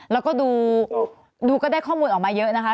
แล้วก็ดูก็ได้ข้อมูลออกมาเยอะนะคะ